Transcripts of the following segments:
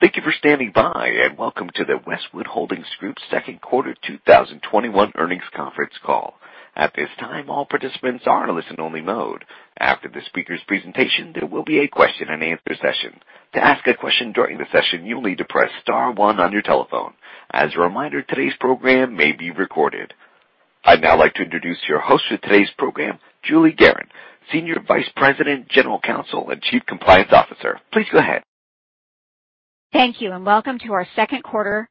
Thank you for standing by, welcome to the Westwood Holdings Group second quarter 2021 earnings conference call. At this time, all participants are in listen only mode. After the speaker's presentation, there will be a question and answer session. To ask a question during the session, you'll need to press star one on your telephone. As a reminder, today's program may be recorded. I'd now like to introduce your host for today's program, Julie Gerron, Senior Vice President, General Counsel and Chief Compliance Officer. Please go ahead. Thank you. Welcome to our second quarter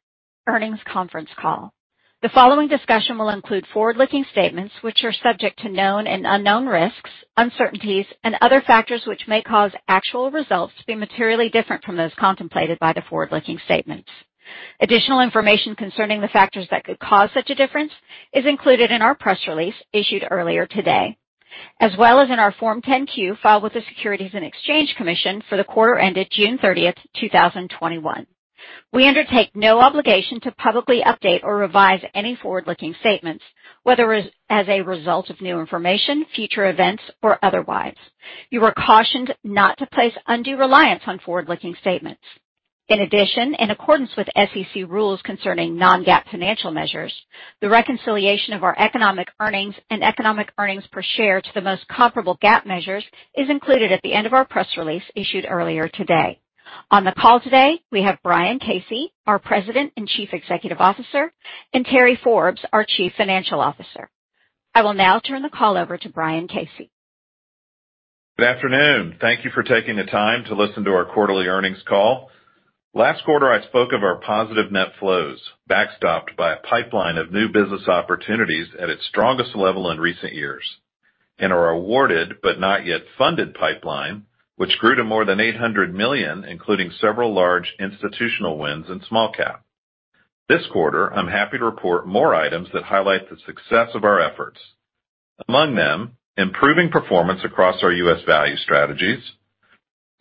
earnings conference call. The following discussion will include forward-looking statements which are subject to known and unknown risks, uncertainties, and other factors which may cause actual results to be materially different from those contemplated by the forward-looking statements. Additional information concerning the factors that could cause such a difference is included in our press release issued earlier today, as well as in our Form 10-Q filed with the Securities and Exchange Commission for the quarter ended June 30, 2021. We undertake no obligation to publicly update or revise any forward-looking statements, whether as a result of new information, future events, or otherwise. You are cautioned not to place undue reliance on forward-looking statements. In addition, in accordance with SEC rules concerning non-GAAP financial measures, the reconciliation of our Economic Earnings and Economic Earnings per share to the most comparable GAAP measures is included at the end of our press release issued earlier today. On the call today, we have Brian Casey, our President and Chief Executive Officer, and Terry Forbes, our Chief Financial Officer. I will now turn the call over to Brian Casey. Good afternoon. Thank you for taking the time to listen to our quarterly earnings call. Last quarter, I spoke of our positive net flows, backstopped by a pipeline of new business opportunities at its strongest level in recent years, and our awarded, but not yet funded pipeline, which grew to more than $800 million, including several large institutional wins in small cap. This quarter, I'm happy to report more items that highlight the success of our efforts. Among them, improving performance across our U.S. value strategies,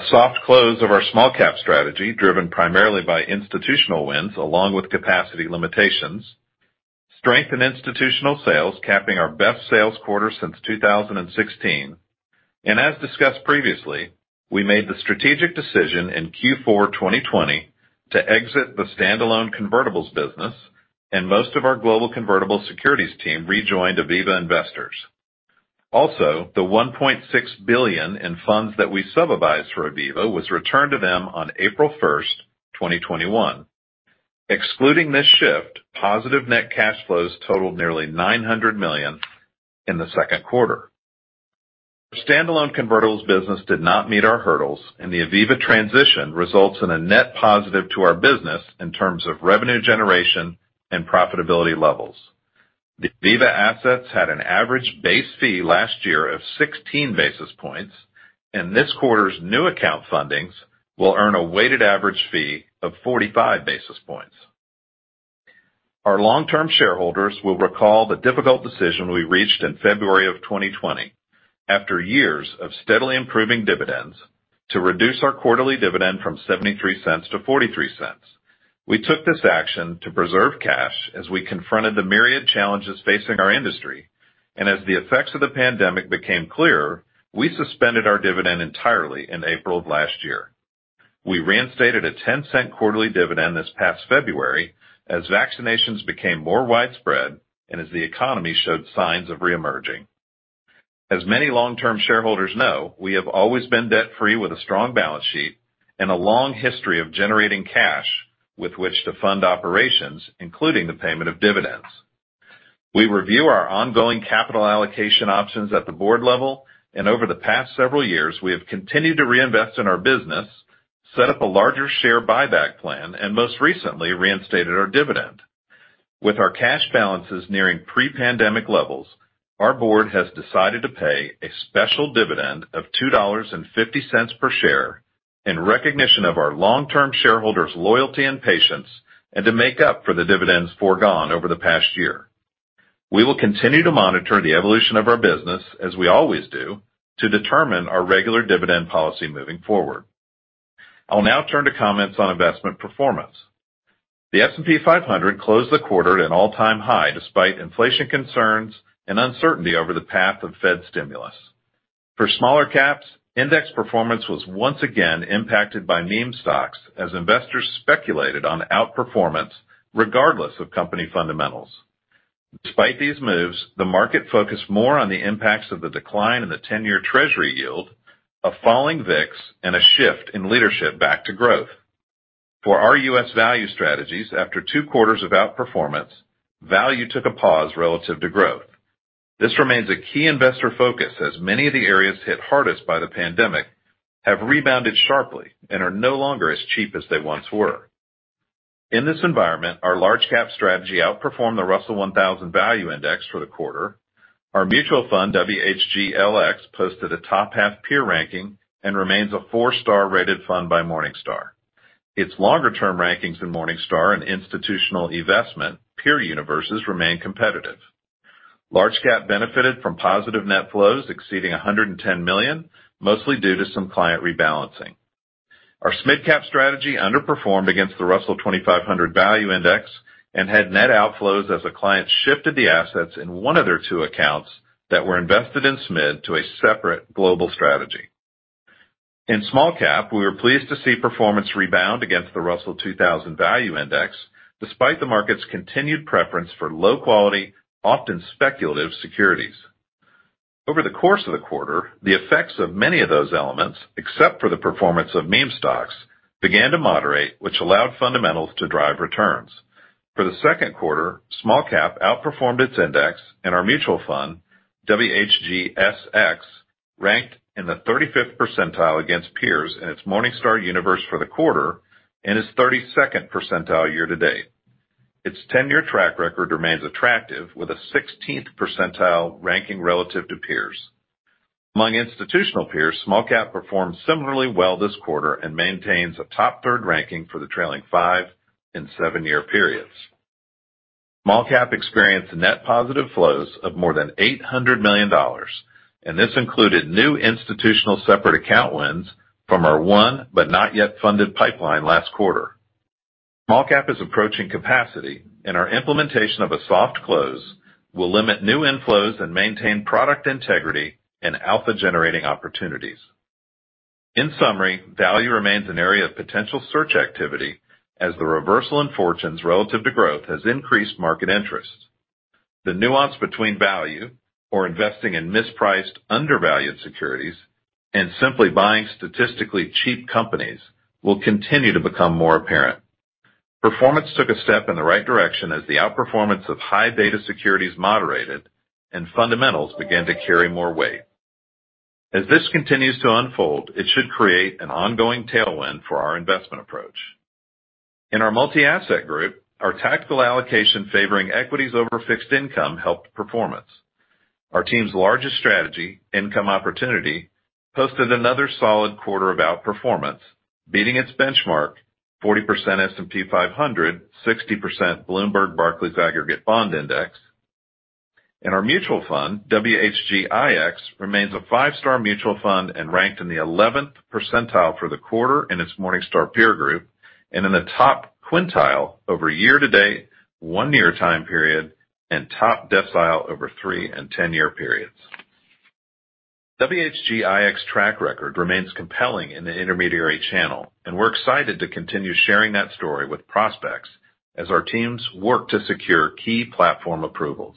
soft close of our small cap strategy, driven primarily by institutional wins along with capacity limitations, strength in institutional sales, capping our best sales quarter since 2016. As discussed previously, we made the strategic decision in Q4 2020 to exit the standalone convertibles business, and most of our global convertible securities team rejoined Aviva Investors. Also, the $1.6 billion in funds that we sub-advised for Aviva was returned to them on April 1st, 2021. Excluding this shift, positive net cash flows totaled nearly $900 million in the second quarter. Standalone convertibles business did not meet our hurdles, and the Aviva transition results in a net positive to our business in terms of revenue generation and profitability levels. The Aviva assets had an average base fee last year of 16 basis points, and this quarter's new account fundings will earn a weighted average fee of 45 basis points. Our long-term shareholders will recall the difficult decision we reached in February 2020, after years of steadily improving dividends, to reduce our quarterly dividend from $0.73 to $0.43. We took this action to preserve cash as we confronted the myriad challenges facing our industry. As the effects of the pandemic became clearer, we suspended our dividend entirely in April of last year. We reinstated a $0.10 quarterly dividend this past February as vaccinations became more widespread and as the economy showed signs of re-emerging. As many long-term shareholders know, we have always been debt free with a strong balance sheet and a long history of generating cash with which to fund operations, including the payment of dividends. We review our ongoing capital allocation options at the board level. Over the past several years, we have continued to reinvest in our business, set up a larger share buyback plan, and most recently, reinstated our dividend. With our cash balances nearing pre-pandemic levels, our board has decided to pay a special dividend of $2.50 per share in recognition of our long-term shareholders' loyalty and patience, and to make up for the dividends foregone over the past year. We will continue to monitor the evolution of our business, as we always do, to determine our regular dividend policy moving forward. I'll now turn to comments on investment performance. The S&P 500 closed the quarter at an all-time high despite inflation concerns and uncertainty over the path of Fed stimulus. For smaller caps, index performance was once again impacted by meme stocks as investors speculated on outperformance regardless of company fundamentals. Despite these moves, the market focused more on the impacts of the decline in the 10-year treasury yield, a falling VIX, and a shift in leadership back to growth. For our U.S. value strategies, after two quarters of outperformance, value took a pause relative to growth. This remains a key investor focus as many of the areas hit hardest by the pandemic have rebounded sharply and are no longer as cheap as they once were. In this environment, our large-cap strategy outperformed the Russell 1000 Value Index for the quarter. Our mutual fund, WHGLX, posted a top-half peer ranking and remains a four-star rated fund by Morningstar. Its longer-term rankings in Morningstar and Institutional Investor peer universes remain competitive. Large-cap benefited from positive net flows exceeding $110 million, mostly due to some client rebalancing. Our mid-cap strategy underperformed against the Russell 2500 Value Index and had net outflows as a client shifted the assets in one of their two accounts that were invested in SMid to a separate global strategy. In small cap, we were pleased to see performance rebound against the Russell 2000 Value Index, despite the market's continued preference for low quality, often speculative securities. Over the course of the quarter, the effects of many of those elements, except for the performance of meme stocks, began to moderate, which allowed fundamentals to drive returns. For the second quarter, small cap outperformed its index and our mutual fund, WHGSX, ranked in the 35th percentile against peers in its Morningstar universe for the quarter and its 32nd percentile year to date. Its 10-year track record remains attractive with a 16th percentile ranking relative to peers. Among institutional peers, small cap performed similarly well this quarter and maintains a top third ranking for the trailing five and seven-year periods. Small-cap experienced net positive flows of more than $800 million, and this included new institutional separate account wins from our won but not yet funded pipeline last quarter. Small-cap is approaching capacity and our implementation of a soft close will limit new inflows and maintain product integrity and alpha-generating opportunities. Value remains an area of potential search activity as the reversal in fortunes relative to growth has increased market interest. The nuance between value or investing in mispriced, undervalued securities and simply buying statistically cheap companies will continue to become more apparent. Performance took a step in the right direction as the outperformance of high beta securities moderated and fundamentals began to carry more weight. As this continues to unfold, it should create an ongoing tailwind for our investment approach. In our multi-asset group, our tactical allocation favoring equities over fixed income helped performance. Our team's largest strategy, Income Opportunity, posted another solid quarter of outperformance, beating its benchmark 40% S&P 500, 60% Bloomberg US Aggregate Bond Index. Our mutual fund, WHGIX, remains a five-star mutual fund and ranked in the 11th percentile for the quarter in its Morningstar peer group, and in the top quintile over year to date, one-year time period, and top decile over three and 10-year periods. WHGIX track record remains compelling in the intermediary channel, and we're excited to continue sharing that story with prospects as our teams work to secure key platform approvals.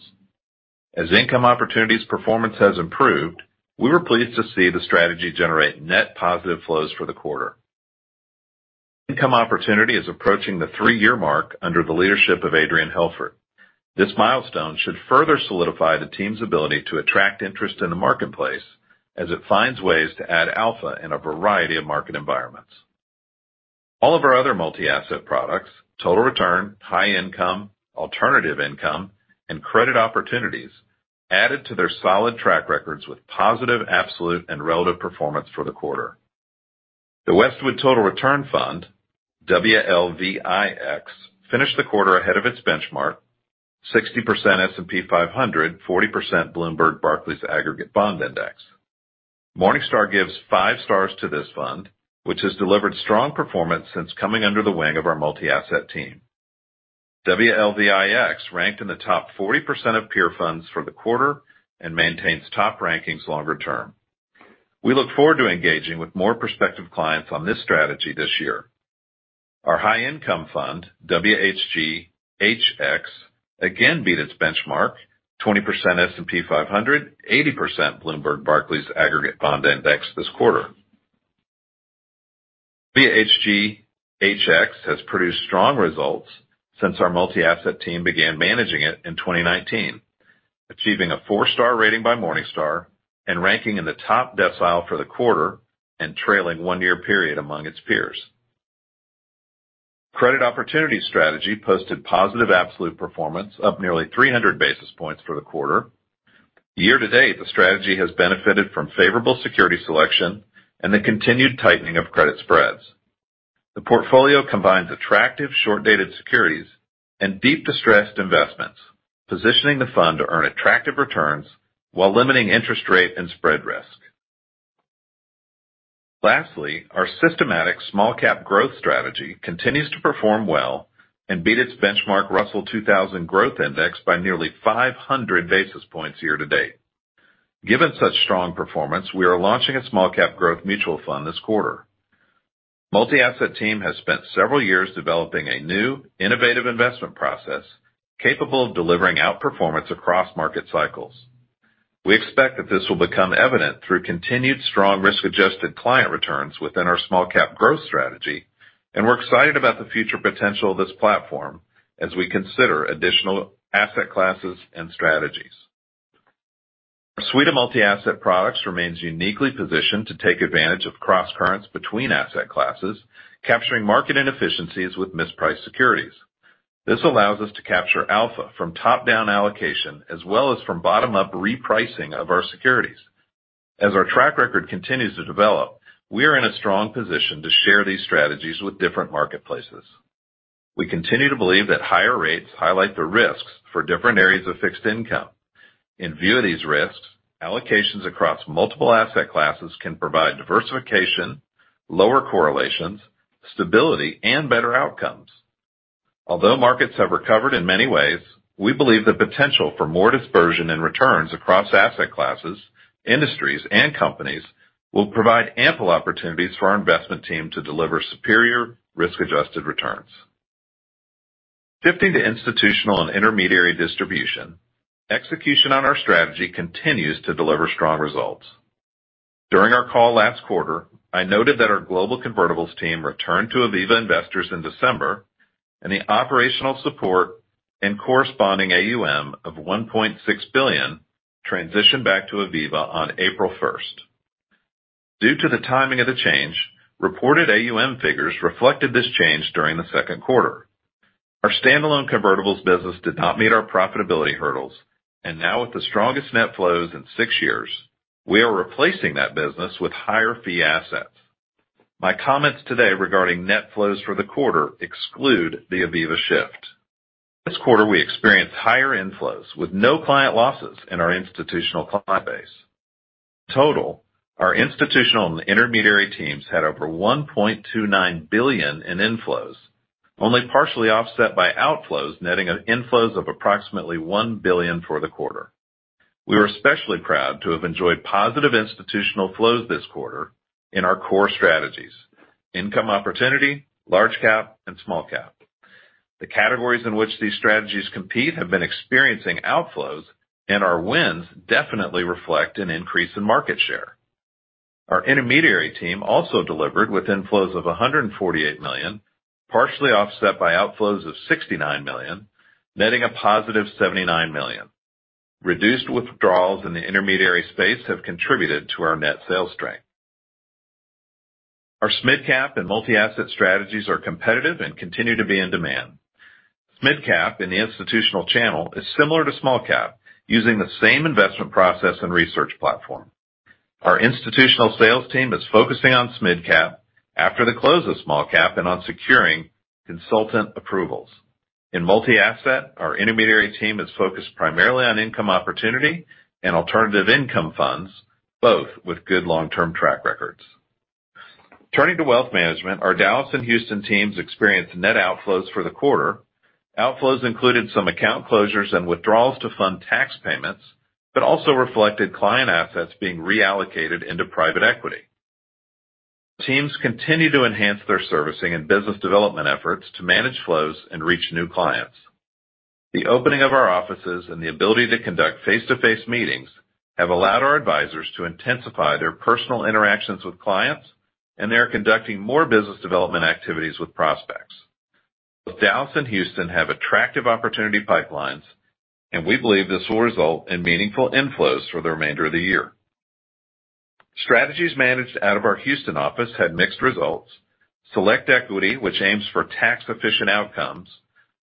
As Income Opportunity's performance has improved, we were pleased to see the strategy generate net positive flows for the quarter. Income Opportunity is approaching the three-year mark under the leadership of Adrian Helfert. This milestone should further solidify the team's ability to attract interest in the marketplace as it finds ways to add alpha in a variety of market environments. All of our other multi-asset products, Total Return, High Income, Alternative Income, and Credit Opportunities, added to their solid track records with positive absolute and relative performance for the quarter. The Westwood Total Return Fund, WLVIX, finished the quarter ahead of its benchmark 60% S&P 500, 40% Bloomberg US Aggregate Bond Index. Morningstar gives five stars to this fund, which has delivered strong performance since coming under the wing of our multi-asset team. WLVIX ranked in the top 40% of peer funds for the quarter and maintains top rankings longer term. We look forward to engaging with more prospective clients on this strategy this year. Our High Income Fund, WHGHX, again beat its benchmark 20% S&P 500, 80% Bloomberg US Aggregate Bond Index this quarter. WHGHX has produced strong results since our multi-asset team began managing it in 2019, achieving a four-star rating by Morningstar and ranking in the top decile for the quarter and trailing one-year period among its peers. Credit Opportunity Strategy posted positive absolute performance, up nearly 300 basis points for the quarter. Year to date, the strategy has benefited from favorable security selection and the continued tightening of credit spreads. The portfolio combines attractive short-dated securities and deep distressed investments, positioning the fund to earn attractive returns while limiting interest rate and spread risk. Lastly, our systematic small cap growth strategy continues to perform well and beat its benchmark Russell 2000 Growth Index by nearly 500 basis points year to date. Given such strong performance, we are launching a small cap growth mutual fund this quarter. Multi-Asset team has spent several years developing a new innovative investment process capable of delivering outperformance across market cycles. We expect that this will become evident through continued strong risk-adjusted client returns within our small cap growth strategy. We're excited about the future potential of this platform as we consider additional asset classes and strategies. Our suite of Multi-Asset products remains uniquely positioned to take advantage of cross-currents between asset classes, capturing market inefficiencies with mispriced securities. This allows us to capture alpha from top-down allocation as well as from bottom-up repricing of our securities. As our track record continues to develop, we are in a strong position to share these strategies with different marketplaces. We continue to believe that higher rates highlight the risks for different areas of fixed income. In view of these risks, allocations across multiple asset classes can provide diversification, lower correlations, stability, and better outcomes. Although markets have recovered in many ways, we believe the potential for more dispersion in returns across asset classes, industries, and companies will provide ample opportunities for our investment team to deliver superior risk-adjusted returns. Shifting to institutional and intermediary distribution, execution on our strategy continues to deliver strong results. During our call last quarter, I noted that our global convertibles team returned to Aviva Investors in December, and the operational support and corresponding AUM of $1.6 billion transitioned back to Aviva on April 1st. Due to the timing of the change, reported AUM figures reflected this change during the second quarter. Our standalone convertibles business did not meet our profitability hurdles, and now with the strongest net flows in six years, we are replacing that business with higher fee assets. My comments today regarding net flows for the quarter exclude the Aviva shift. This quarter, we experienced higher inflows with no client losses in our institutional client base. Total, our institutional and intermediary teams had over $1.29 billion in inflows, only partially offset by outflows, netting inflows of approximately $1 billion for the quarter. We are especially proud to have enjoyed positive institutional flows this quarter in our core strategies, Income Opportunity, large cap, and small cap. The categories in which these strategies compete have been experiencing outflows, and our wins definitely reflect an increase in market share. Our intermediary team also delivered with inflows of $148 million, partially offset by outflows of $69 million, netting a positive $79 million. Reduced withdrawals in the intermediary space have contributed to our net sales strength. Our SMid-cap and multi-asset strategies are competitive and continue to be in demand. SMid-cap in the institutional channel is similar to small cap, using the same investment process and research platform. Our institutional sales team is focusing on SMid-cap after the close of small cap and on securing consultant approvals. In multi-asset, our intermediary team is focused primarily on Income Opportunity and Alternative Income funds, both with good long-term track records. Turning to wealth management, our Dallas and Houston teams experienced net outflows for the quarter. Outflows included some account closures and withdrawals to fund tax payments, but also reflected client assets being reallocated into private equity. Teams continue to enhance their servicing and business development efforts to manage flows and reach new clients. The opening of our offices and the ability to conduct face-to-face meetings have allowed our advisors to intensify their personal interactions with clients, and they are conducting more business development activities with prospects. Both Dallas and Houston have attractive opportunity pipelines, and we believe this will result in meaningful inflows for the remainder of the year. Strategies managed out of our Houston office had mixed results. Select Equity, which aims for tax-efficient outcomes,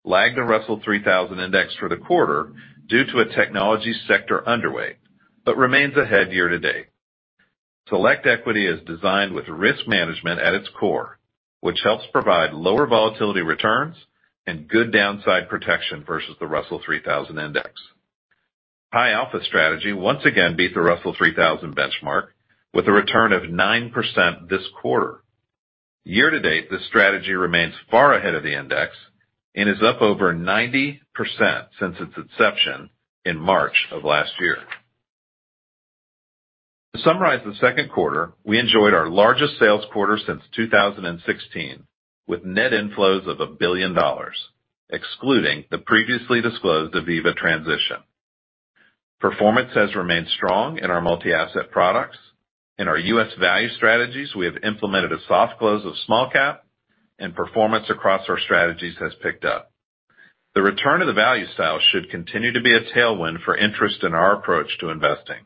lagged the Russell 3000 Index for the quarter due to a technology sector underweight but remains ahead year-to-date. Select Equity is designed with risk management at its core, which helps provide lower volatility returns and good downside protection versus the Russell 3000 Index. High Alpha strategy once again beat the Russell 3000 benchmark with a return of 9% this quarter. Year-to-date, this strategy remains far ahead of the index and is up over 90% since its inception in March of last year. To summarize the second quarter, we enjoyed our largest sales quarter since 2016, with net inflows of $1 billion, excluding the previously disclosed Aviva transition. Performance has remained strong in our multi-asset products. In our U.S. value strategies, we have implemented a soft close of small cap, and performance across our strategies has picked up. The return of the value style should continue to be a tailwind for interest in our approach to investing.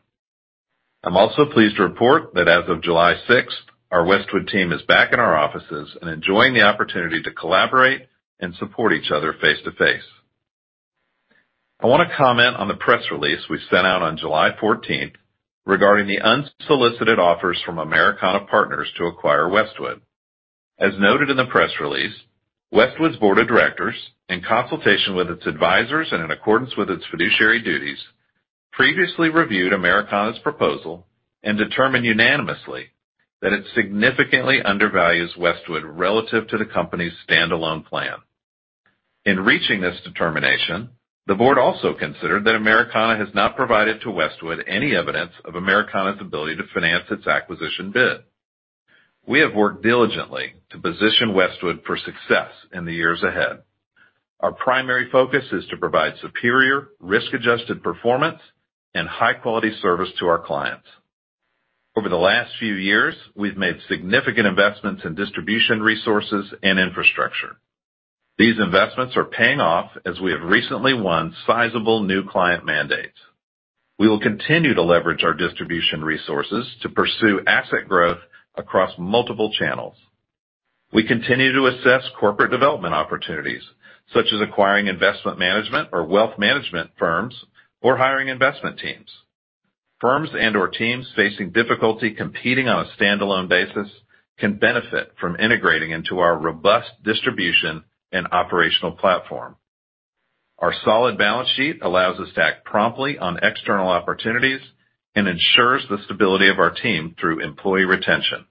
I'm also pleased to report that as of July 6th, our Westwood team is back in our offices and enjoying the opportunity to collaborate and support each other face-to-face. I want to comment on the press release we sent out on July 14th regarding the unsolicited offers from Americana Partners to acquire Westwood. As noted in the press release, Westwood's Board of Directors, in consultation with its advisors and in accordance with its fiduciary duties, previously reviewed Americana's proposal and determined unanimously that it significantly undervalues Westwood relative to the company's standalone plan. In reaching this determination, the board also considered that Americana has not provided to Westwood any evidence of Americana's ability to finance its acquisition bid. We have worked diligently to position Westwood for success in the years ahead. Our primary focus is to provide superior risk-adjusted performance and high-quality service to our clients. Over the last few years, we've made significant investments in distribution resources and infrastructure. These investments are paying off as we have recently won sizable new client mandates. We will continue to leverage our distribution resources to pursue asset growth across multiple channels. We continue to assess corporate development opportunities, such as acquiring investment management or wealth management firms or hiring investment teams. Firms and/or teams facing difficulty competing on a standalone basis can benefit from integrating into our robust distribution and operational platform. Our solid balance sheet allows us to act promptly on external opportunities and ensures the stability of our team through employee retention.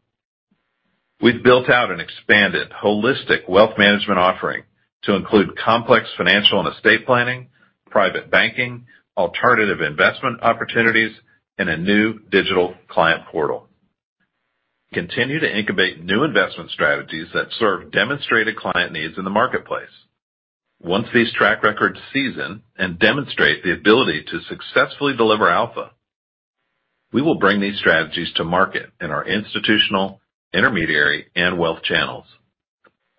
We've built out an expanded holistic wealth management offering to include complex financial and estate planning, private banking, alternative investment opportunities, and a new digital client portal. We continue to incubate new investment strategies that serve demonstrated client needs in the marketplace. Once these track records season and demonstrate the ability to successfully deliver alpha, we will bring these strategies to market in our institutional, intermediary, and wealth channels.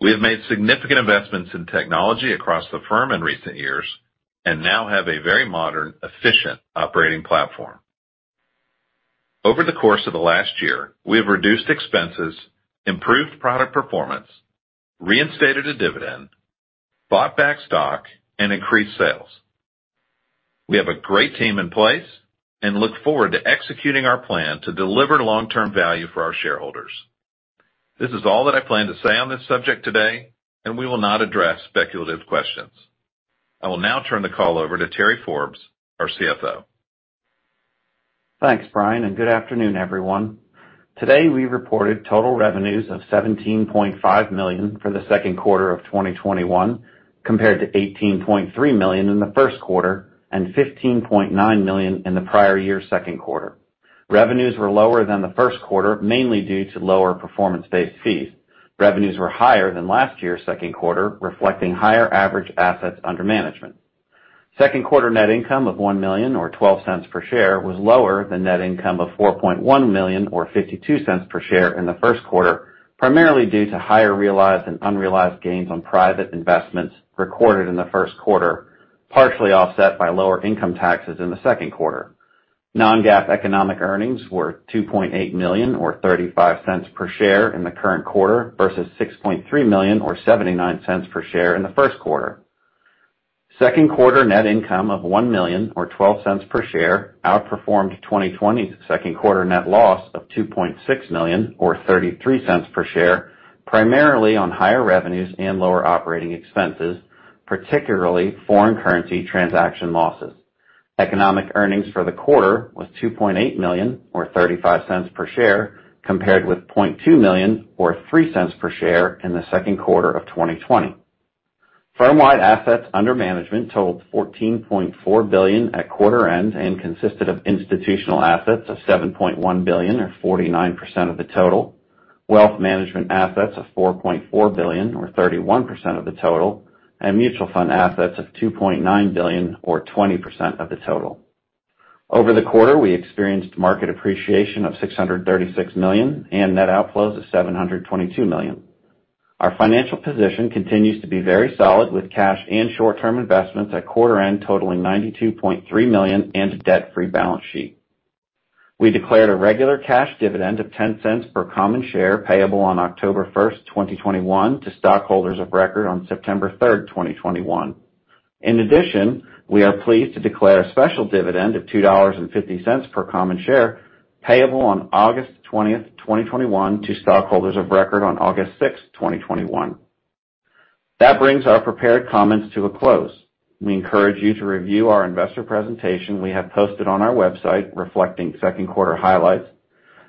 We have made significant investments in technology across the firm in recent years and now have a very modern, efficient operating platform. Over the course of the last year, we have reduced expenses, improved product performance, reinstated a dividend, bought back stock, and increased sales. We have a great team in place and look forward to executing our plan to deliver long-term value for our shareholders. This is all that I plan to say on this subject today, and we will not address speculative questions. I will now turn the call over to Terry Forbes, our CFO. Thanks, Brian, and good afternoon, everyone. Today, we reported total revenues of $17.5 million for the second quarter of 2021, compared to $18.3 million in the first quarter and $15.9 million in the prior year's second quarter. Revenues were lower than the first quarter, mainly due to lower performance-based fees. Revenues were higher than last year's second quarter, reflecting higher average assets under management. Second quarter net income of $1 million or $0.12 per share was lower than net income of $4.1 million or $0.52 per share in the first quarter, primarily due to higher realized and unrealized gains on private investments recorded in the first quarter, partially offset by lower income taxes in the second quarter. Non-GAAP economic earnings were $2.8 million or $0.35 per share in the current quarter versus $6.3 million or $0.79 per share in the first quarter. Second quarter net income of $1 million or $0.12 per share outperformed 2020's second quarter net loss of $2.6 million or $0.33 per share, primarily on higher revenues and lower operating expenses, particularly foreign currency transaction losses. Economic earnings for the quarter was $2.8 million or $0.35 per share, compared with $0.2 million or $0.03 per share in the second quarter of 2020. Firm-wide assets under management totaled $14.4 billion at quarter end and consisted of institutional assets of $7.1 billion or 49% of the total, wealth management assets of $4.4 billion or 31% of the total, and mutual fund assets of $2.9 billion or 20% of the total. Over the quarter, we experienced market appreciation of $636 million and net outflows of $722 million. Our financial position continues to be very solid, with cash and short-term investments at quarter end totaling $92.3 million and a debt-free balance sheet. We declared a regular cash dividend of $0.10 per common share payable on October 1st, 2021 to stockholders of record on September 3rd, 2021. In addition, we are pleased to declare a special dividend of $2.50 per common share payable on August 20th, 2021 to stockholders of record on August 6th, 2021. That brings our prepared comments to a close. We encourage you to review our investor presentation we have posted on our website reflecting second quarter highlights,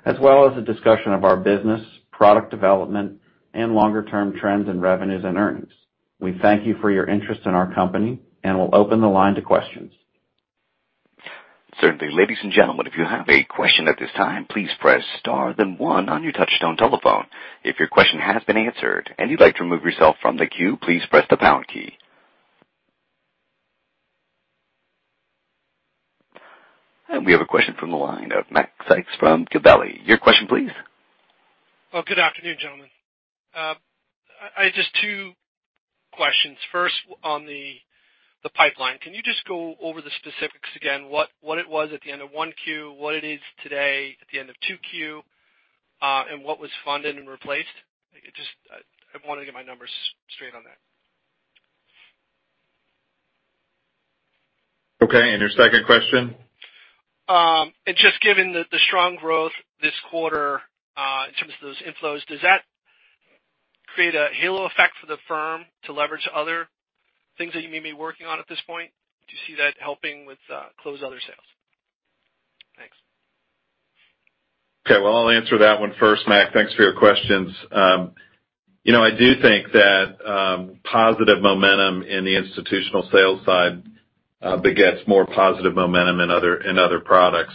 as well as a discussion of our business, product development, and longer-term trends in revenues and earnings. We thank you for your interest in our company. We'll open the line to questions. Certainly. Ladies and gentlemen, if you have a question at this time, please press star then one on your touchtone telephone. If your question has been answered and you'd like to remove yourself from the queue, please press the pound key. We have a question from the line of Mac Sykes from Gabelli. Your question, please. Well, good afternoon, gentlemen. Just two questions. First, on the pipeline, can you just go over the specifics again, what it was at the end of 1Q, what it is today at the end of 2Q, and what was funded and replaced? I want to get my numbers straight on that. Okay, your second question? Just given the strong growth this quarter in terms of those inflows, does that create a halo effect for the firm to leverage other things that you may be working on at this point? Do you see that helping with close other sales? Thanks. Okay. Well, I'll answer that one first, Mac. Thanks for your questions. I do think that positive momentum in the institutional sales side begets more positive momentum in other products.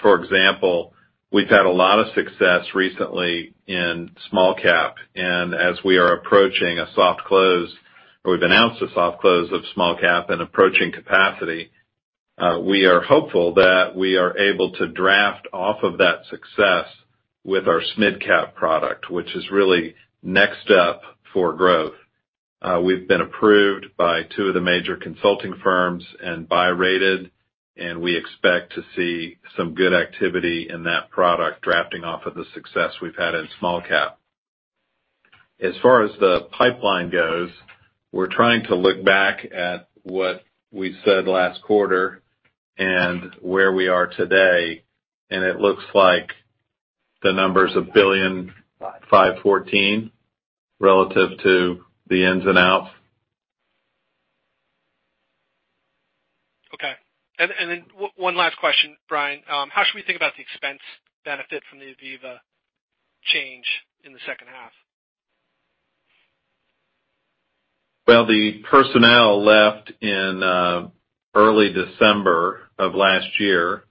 For example, we've had a lot of success recently in small cap. As we are approaching a soft close, or we've announced a soft close of small cap and approaching capacity, we are hopeful that we are able to draft off of that success with our SMid-cap product, which is really next step for growth. We've been approved by two of the major consulting firms and buy-rated, and we expect to see some good activity in that product drafting off of the success we've had in small cap. As far as the pipeline goes, we're trying to look back at what we said last quarter and where we are today, and it looks like the numbers of $1.514 billion relative to the ins and outs. Okay. One last question, Brian. How should we think about the expense benefit from the Aviva change in the second half? Well, the personnel left in early December of last year,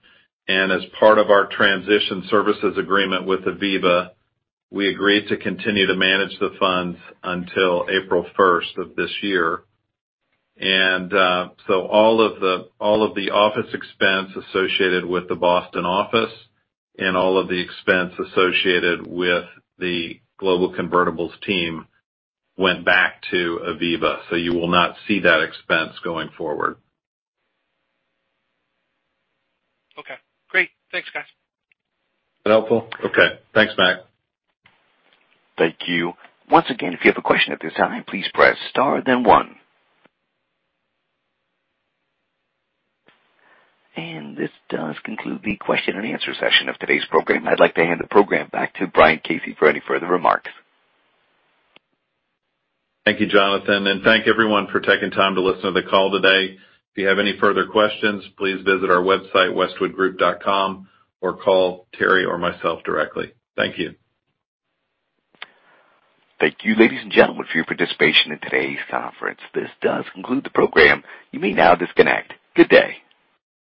and as part of our transition services agreement with Aviva, we agreed to continue to manage the funds until April 1st of this year. All of the office expense associated with the Boston office and all of the expense associated with the global convertibles team went back to Aviva. You will not see that expense going forward. Okay, great. Thanks, guys. That helpful? Okay. Thanks, Mac. Thank you. Once again, if you have a question at this time, please press star then one. This does conclude the question and answer session of today's program. I'd like to hand the program back to Brian Casey for any further remarks. Thank you, Jonathan. Thank everyone for taking time to listen to the call today. If you have any further questions, please visit our website, westwoodgroup.com, or call Murray or myself directly. Thank you. Thank you, ladies and gentlemen, for your participation in today's conference. This does conclude the program. You may now disconnect. Good day.